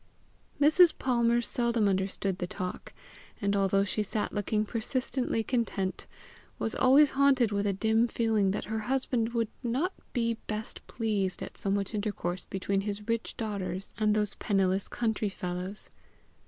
Mrs. Palmer seldom understood the talk, and although she sat looking persistently content, was always haunted with a dim feeling that her husband would not be hest pleased at so much intercourse between his rich daughters and those penniless country fellows.